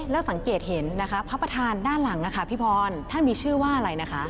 แล้วสังเกตเห็นนะคะพระประธานด้านหลังนะคะพี่พรท่านมีชื่อว่าอะไรนะคะ